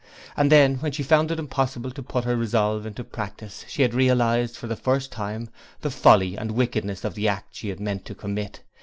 And then, when she found it impossible to put her resolve into practice, she had realized for the first time the folly and wickedness of the act she had meant to commit.